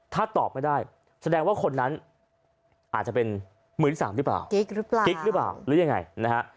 ถ้าตอบไม่ได้แสดงว่าคนนั้นอาจจะเป็นมือที่สามหรือเปล่า